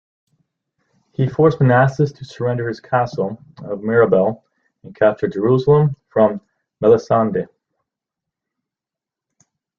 He forced Manasses to surrender his castle of Mirabel, and captured Jerusalem from Melisende.